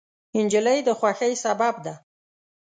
نجلۍ د خوښۍ سبب ده.